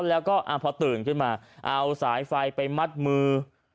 แล้วก็พอตื่นขึ้นมาเอาสายไฟไปมัดมือ